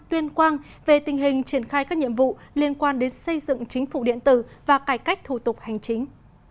tuyên quang về tình hình triển khai các nhiệm vụ liên quan đến xây dựng chính phủ điện tử và cải cách thủ tục hành chính